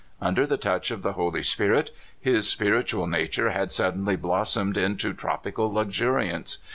Under the touch of the Holy Spirit, his spiritual nature had suddenly blossomed into trop ical luxuriance.